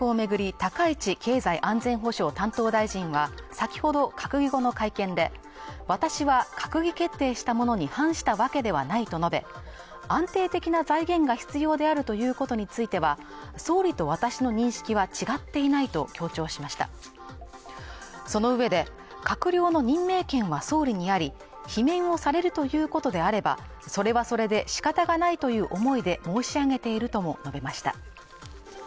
高市経済安全保障担当大臣は先ほど閣議後の会見で私は閣議決定したものに反したわけではないと述べ安定的な財源が必要であるということについては総理と私の認識は違っていないと強調しましたその上で閣僚の任命権は総理にあり罷免されるということであればそれはそれで仕方がないという思いで申し上げているとも述べました